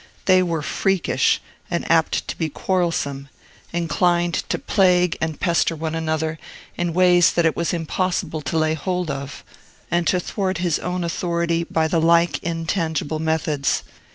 They were freakish, and apt to be quarrelsome, inclined to plague and pester one another in ways that it was impossible to lay hold of, and to thwart his own authority by the like intangible methods.